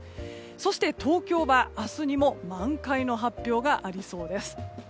そして、東京は明日にも満開の発表がありそうです。